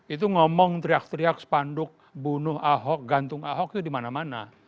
itu ngomong teriak teriak spanduk bunuh ahok gantung ahok itu dimana mana